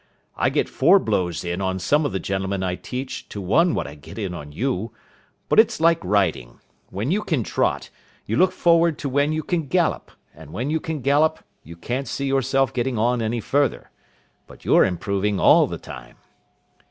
"I get four blows in on some of the gentlemen I teach to one what I get in on you. But it's like riding. When you can trot, you look forward to when you can gallop. And when you can gallop, you can't see yourself getting on any further. But you're improving all the time."